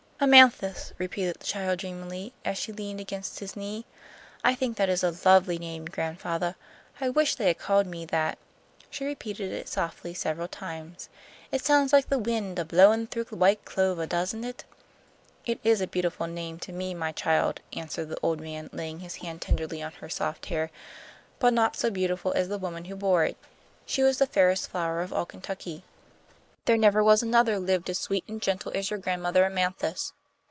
"Amanthis," repeated the child, dreamily, as she leaned against his knee. "I think that is a lovely name, gran'fathah. I wish they had called me that." She repeated it softly several times. "It sounds like the wind a blowin' through white clovah, doesn't it?" "It is a beautiful name to me, my child," answered the old man, laying his hand tenderly on her soft hair, "but not so beautiful as the woman who bore it. She was the fairest flower of all Kentucky. There never was another lived as sweet and gentle as your Grandmother Amanthis."